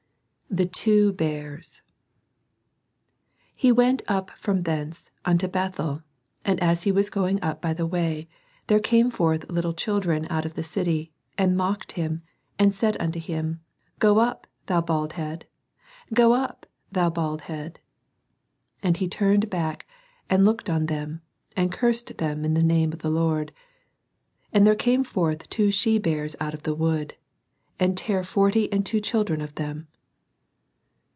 THE TWO BEARS. He went up from thcDce unto Bethel : and as he was going up by the way, there came forth little children out of the city, and mocked him, and said unto him. Go up, thou bald head, go up, thou bald head. *' And he turned back, and looked on them, and cursed them in the name of the Lord. And there came forth two she bears out of the wood, and tare forty and two children of them.